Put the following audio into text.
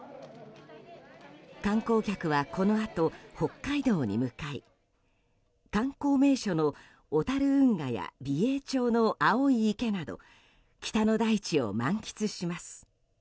観光客は、このあと北海道に向かい観光名所の小樽運河や美瑛町の青い池など北の大地を満喫します。